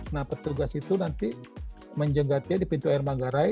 nah petugas itu nanti menjegatnya di pintu air manggarai